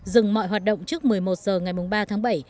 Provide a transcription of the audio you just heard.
dừng mọi hoạt động trước một mươi một h ngày ba tháng bảy